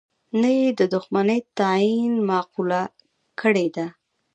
نه یې د دوښمنی تعین معقوله کړې ده.